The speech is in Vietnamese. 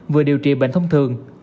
vừa điều trị bệnh thông thường